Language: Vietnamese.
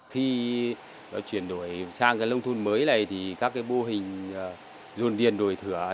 khi chuyển đổi sang cái lông thun mới này thì các cái bô hình dồn điền đổi thửa